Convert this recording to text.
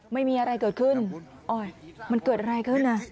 ไม่มีอะไรเกิดขึ้นโอ๊ยมันเกิดอะไรขึ้นอ่ะ